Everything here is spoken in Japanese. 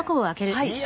はい。